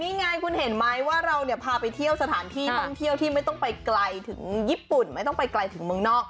นี่ไงคุณเห็นมั้ยว่าเราพาไปเที่ยวที่ไม่ต้องไปกลายถึงญี่ปุ่นไม่ต้องไปกลายถึงเมืองนอก